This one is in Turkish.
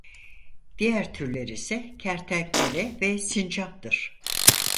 Diğer türler ise kertenkele ve sincaptır.